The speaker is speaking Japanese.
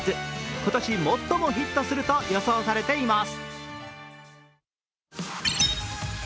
今年、最もヒットすると予想されています。